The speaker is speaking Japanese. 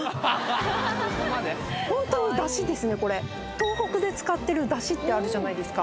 東北で使ってるだしってあるじゃないですか